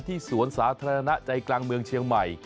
สวนสาธารณะใจกลางเมืองเชียงใหม่